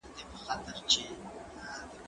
زه پرون ونې ته اوبه ورکوم!؟